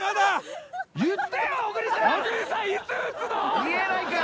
見えないから！